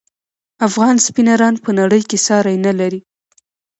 افغان سپینران په نړۍ کې ساری نلري.